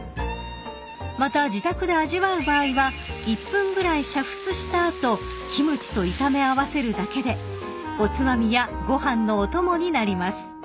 ［また自宅で味わう場合は１分ぐらい煮沸した後キムチと炒め合わせるだけでおつまみやご飯のお供になります］